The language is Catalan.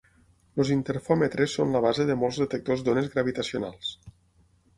Els interfòmetres són la base de molts detectors d'ones gravitacionals.